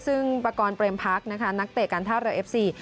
ซึ่งปากรเปรมพักนักเตะการท่าเรียลเอฟซี